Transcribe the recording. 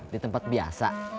di tempat biasa